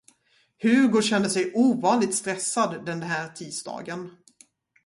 Hugo kände sig ovanligt stressad den här tisdagen.